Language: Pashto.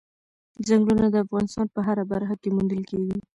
ځنګلونه د افغانستان په هره برخه کې موندل کېږي.